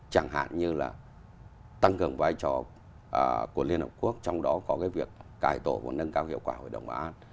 chẳng hạn như là tăng cường vai trò của liên hợp quốc trong đó có cái việc cải tổ và nâng cao hiệu quả hội đồng bà an